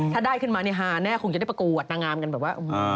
ถ้าได้ขึ้นมานี่ฮาแน่คงจะได้ประกวดนางงามกันแบบว่า